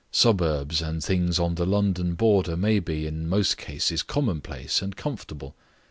Suburbs and things on the London border may be, in most cases, commonplace and comfortable.